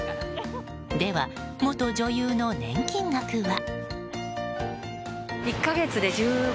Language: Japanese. では、元女優の年金額は。